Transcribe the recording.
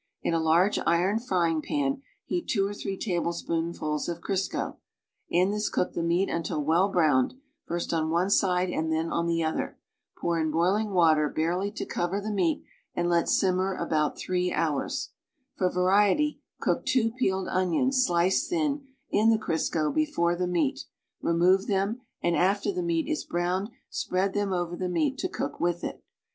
In a large iron frying pan heat two or three table spoonfuls of t'risco; in this cook the meat until well browned, first on one side and then on the other; pour in boiling water barely to cover the meat and let simmer about three hours, h'or variety, cook two peeled onions, sliced thin, in the Crisco before the meat, remove them, and after the meat is browned spread them over the meat to cook with it.